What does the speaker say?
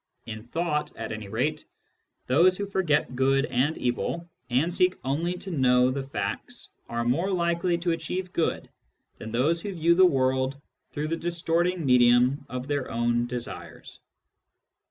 In thought, at any rate, those who forget good and evil and seek only to know the facts are more likely to achieve good than those who view the world through the distorting medium of their own desires.